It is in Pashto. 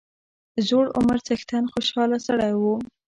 زوړ عمر څښتن خوشاله سړی وو.